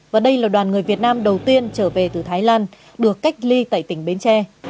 và đây là đoàn người việt nam đầu tiên trở về từ thái lan được cách ly tại tỉnh bến tre